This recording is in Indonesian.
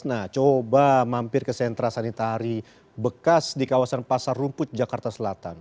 nah coba mampir ke sentra sanitari bekas di kawasan pasar rumput jakarta selatan